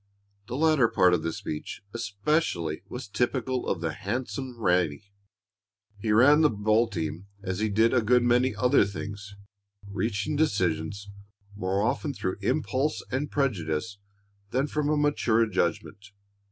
The latter part of the speech, especially, was typical of the handsome Ranleigh. He ran the ball team as he did a good many other things, reaching decisions more often through impulse and prejudice than from a mature judgment.